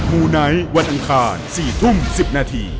มูไนท์วันอังคาร๔ทุ่ม๑๐นาที